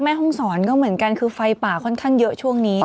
แม่ห้องศรก็เหมือนกันคือไฟป่าค่อนข้างเยอะช่วงนี้